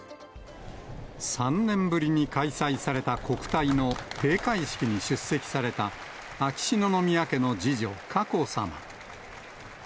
３年ぶりに開催された国体の閉会式に出席された、秋篠宮家の次女、佳子さま。